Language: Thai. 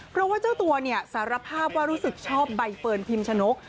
เพราะว่าเจ้าตัวสารภาพว่ารู้สึกชอบใบเฟิร์นพิมชนก